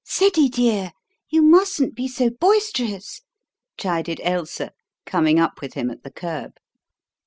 "Ceddie, dear, you mustn't be so boisterous!" chided Ailsa, coming up with him at the kerb.